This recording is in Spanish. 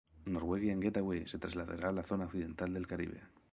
Norwegian Getaway se trasladará a la zona occidental del Caribe.